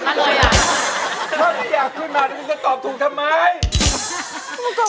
เพลงนี้อยู่ในอาราบัมชุดแรกของคุณแจ็คเลยนะครับ